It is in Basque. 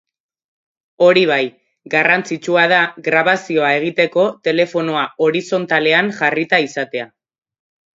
Hori bai, garrantzitsua da grabazioa egiteko telefonoa horizontalean jarrita izatea.